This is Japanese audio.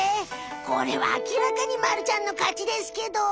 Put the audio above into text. これはあきらかにまるちゃんのかちですけど！